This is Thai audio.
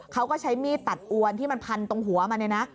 เขาก็ใช้มีดตัดอวนที่มันพันตรงหัวมันเนี่ยนะ